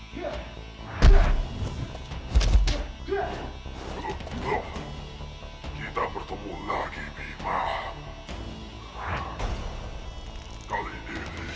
sekarang kita akan mati